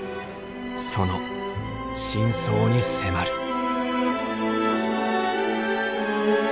その真相に迫る。